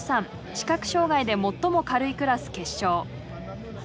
視覚障害で最も軽いクラス決勝。